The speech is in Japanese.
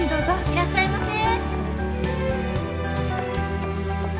いらっしゃいませ。